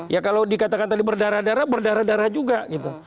ya kalau dikatakan tadi berdarah darah berdarah darah juga gitu